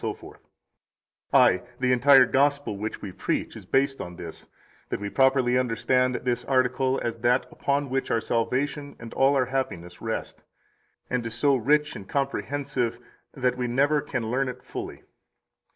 33 Ay, the entire Gospel which we preach is based on this, that we properly understand this article as that upon which our salvation and all our happiness rest, and which is so rich and comprehensive that we never can learn it fully.